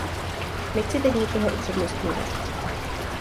Nechci teď nikoho upřednostňovat.